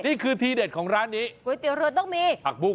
นี่คือทีเดชของร้านนี้ทักบู้งแต่โก๋ยเตี๋ยวเรือต้องมี